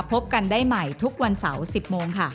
พบกันได้ใหม่ทุกวันเสาร์๑๐โมงค่ะ